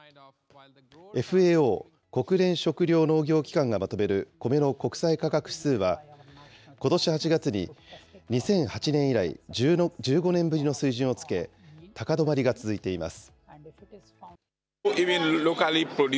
ＦＡＯ・国連食糧農業機関がまとめるコメの国際価格指数は、ことし８月に２００８年以来、１５年ぶりの水準をつけ、高止まりが続いています。